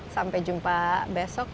sampai jumpa besok